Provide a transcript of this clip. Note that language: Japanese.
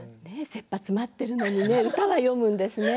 せっぱ詰まっているのに歌は詠むんですね。